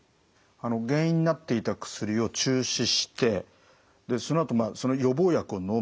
原因になっていた薬を中止してそのあとまあその予防薬をのむ。